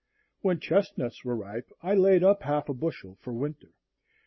When chestnuts were ripe I laid up half a bushel for winter.